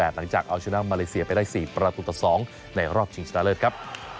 หลังจากเอาชนะมาเลเซียไปได้๔ประตูต่อ๒ในรอบชิงชนะเลิศครับ